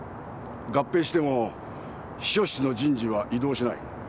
合併しても秘書室の人事は異動しない。